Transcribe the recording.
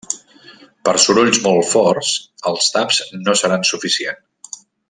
Per sorolls molt forts, els taps no seran suficient.